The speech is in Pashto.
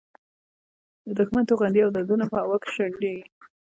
د دوښمن توغندي او ډرونونه په هوا کې شنډېږي.